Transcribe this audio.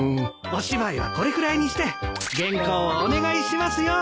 お芝居はこれくらいにして原稿をお願いしますよ。